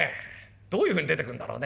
どういうふうに出てくるんだろうね。